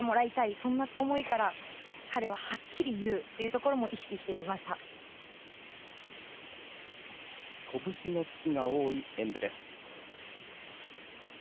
そんな思いから彼ははっきり言うというところも拳の突きが多い演武です。